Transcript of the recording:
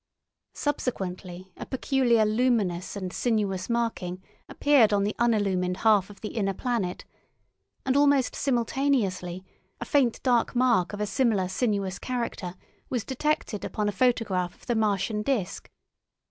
Subsequently a peculiar luminous and sinuous marking appeared on the unillumined half of the inner planet, and almost simultaneously a faint dark mark of a similar sinuous character was detected upon a photograph of the Martian disk.